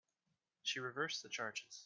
She reversed the charges.